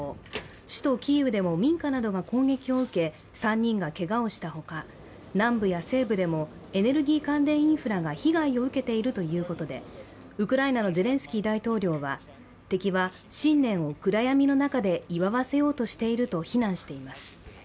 首都キーウでも民家などが攻撃を受け、３人がけがをしたほか南部や西部でもエネルギー関連インフラが被害を受けているということでウクライナのゼレンスキー大統領は、敵は新年を暗闇の中で祝わせようとしていると非難しています。